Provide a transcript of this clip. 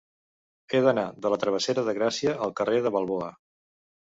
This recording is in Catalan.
He d'anar de la travessera de Gràcia al carrer de Balboa.